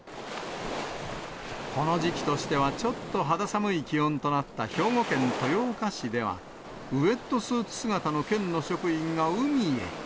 この時期としては、ちょっと肌寒い気温となった兵庫県豊岡市では、ウエットスーツ姿の県の職員が海へ。